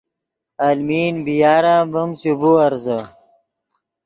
المین بی یار ام ڤیم چے بیورزے